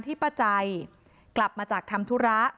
แต่พอเห็นว่าเหตุการณ์มันเริ่มเข้าไปห้ามทั้งคู่ให้แยกออกจากกัน